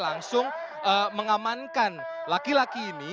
langsung mengamankan laki laki ini